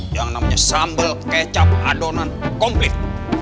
yang namanya sambal kecap adonan komplit